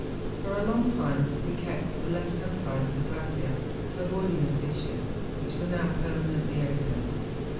For a long time we kept at the left hand side of the glacier, avoiding the fissures, which were now permanently open.